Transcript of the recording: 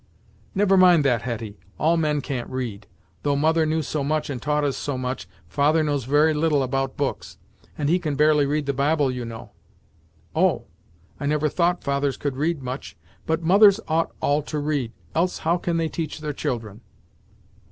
"Never mind that, Hetty. All men can't read; though mother knew so much and taught us so much, father knows very little about books, and he can barely read the Bible you know." "Oh! I never thought fathers could read much, but mothers ought all to read, else how can they teach their children?